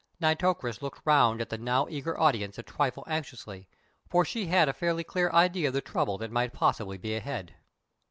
Nitocris looked round at the now eager audience a trifle anxiously, for she had a fairly clear idea of the trouble that might possibly be ahead.